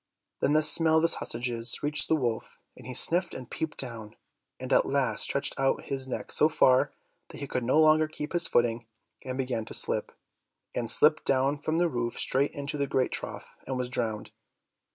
Then the smell of the sausages reached the wolf, and he sniffed and peeped down, and at last stretched out his neck so far that he could no longer keep his footing and began to slip, and slipped down from the roof straight into the great trough, and was drowned.